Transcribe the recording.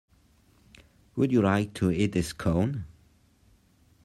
Would you like to eat a Scone?